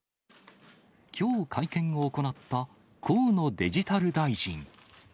きょう会見を行った、河野デジタル大臣。